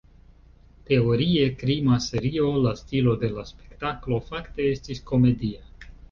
Teorie krima serio, la stilo de la spektaklo fakte estis komedia.